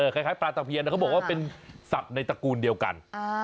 คล้ายปลาตะเพียนเขาบอกว่าเป็นสัตว์ในตระกูลเดียวกัน